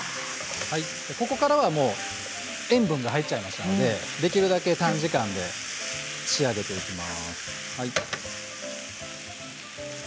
ここからは塩分が入っちゃいましたのでできるだけ短時間で仕上げていきます。